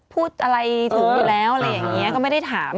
พูดอะไรถึงอยู่แล้วอะไรอย่างนี้ก็ไม่ได้ถาม